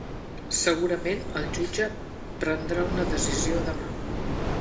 Segurament el jutge prendrà una decisió demà